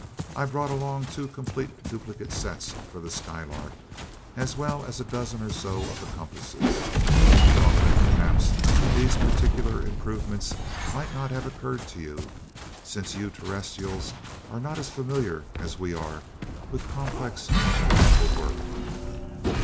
I brought along two complete duplicate sets for the Skylark, as well as a dozen or so of the compasses. I thought that perhaps these particular improvements might not have occurred to you, since you Terrestrials are not as familiar as we are with complex instrumental work."